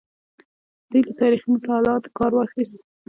دوی له تاریخي مطالعاتو کار واخیست.